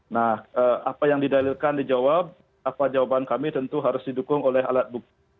nah apa yang didalilkan dijawab apa jawaban kami tentu harus didukung oleh alat bukti